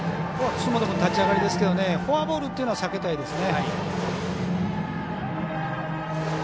楠本君の立ち上がりフォアボールというのは避けたいですね。